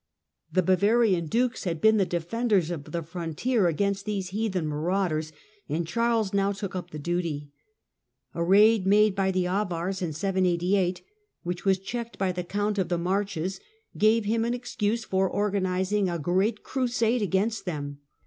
The Bavarian dukes had been the defenders of the frontier against these heathen marauders and Charles now took up the duty. A raid made by the Avars in 788, which was checked by the Count of the Marches, gave him an excuse for organising a great crusade against them.